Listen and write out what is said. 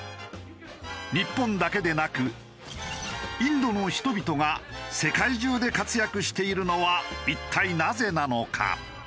日本だけでなくインドの人々が世界中で活躍しているのは一体なぜなのか？